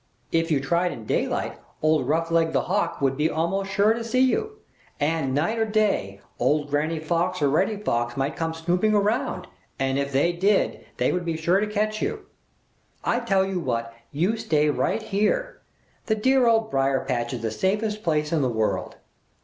If you tried in daylight, old Roughleg the Hawk would be almost sure to see you. And night or day old Granny Fox or Reddy Fox might come snooping around, and if they did, they would be sure to catch you. I tell you what, you stay right here! The dear Old Briar patch is the safest place in the world.